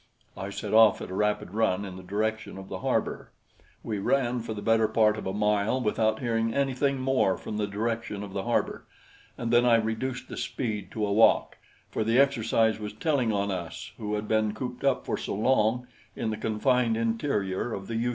I set off at a rapid run in the direction of the harbor. We ran for the better part of a mile without hearing anything more from the direction of the harbor, and then I reduced the speed to a walk, for the exercise was telling on us who had been cooped up for so long in the confined interior of the U 33.